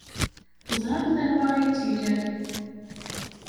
Teẓramt anwa ay tt-ilan.